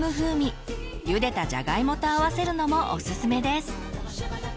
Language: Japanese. ゆでたじゃがいもと合わせるのもオススメです！